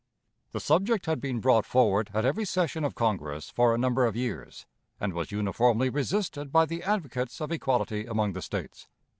The subject had been brought forward at every session of Congress for a number of years, and was uniformly resisted by the advocates of equality among the States.